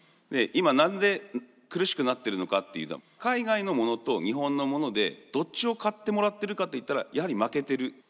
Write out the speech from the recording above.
で今何で苦しくなってるのかっていうと海外のものと日本のものでどっちを買ってもらってるかといったらやはり負けてる。